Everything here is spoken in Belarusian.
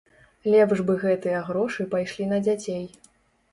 Лепш бы гэтыя грошы пайшлі на дзяцей.